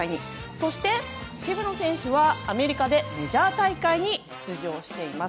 そして、渋野選手はアメリカでメジャー大会に出場しています。